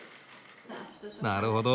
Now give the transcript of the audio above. なるほど。